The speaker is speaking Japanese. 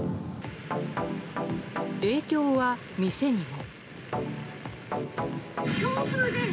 影響は店にも。